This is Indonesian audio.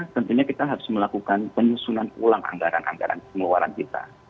tentunya kita harus melakukan penyusunan ulang anggaran anggaran pengeluaran kita